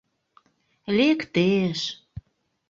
Лекте-еш!